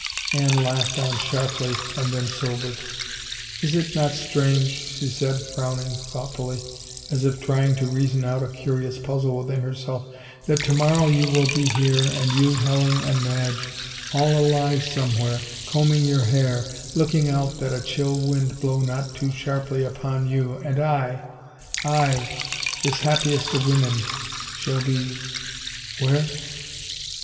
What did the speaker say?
Anne laughed on sharply and then sobered, " Is it not strange," she said, frowning thoughtfully as if trying to reason out a curious puzzle within herself, " that to mor row you will be here and you, Helen and Madge, all alive somewhere, combing your hair, looking out that a chill wind blow not too sharply upon you and I, I, this Happiest of Women, shall be — where